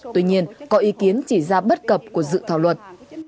tuy nhiên có ý kiến chỉ ra bất cập của dự thảo luật